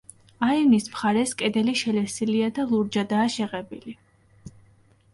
აივნის მხარეს, კედელი შელესილია და ლურჯადაა შეღებილი.